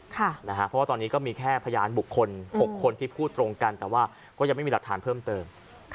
เพราะว่าตอนนี้ก็มีแค่พยานบุคคล๖คนที่พูดตรงกันแต่ว่าก็ยังไม่มีหลักฐานเพิ่มเติม